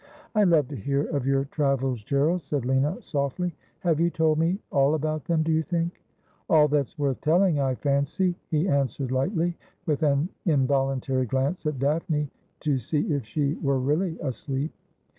' I love to hear of your travels, Gerald,' said Lina softly. ' Have you told me all about them, do you think ?'' All that's worth telling, I fancy,' he answered lightly, with an involuntary glance at Daphne to see if she were really asleep.